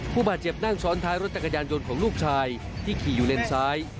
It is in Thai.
ผู้บาดเจ็บนั่งซ้อนท้ายรถจักรยานยนต์ของลูกชายที่ขี่อยู่เลนซ้าย